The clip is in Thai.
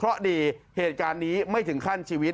เพราะดีเหตุการณ์นี้ไม่ถึงขั้นชีวิต